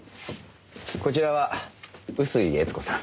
こちらは笛吹悦子さん。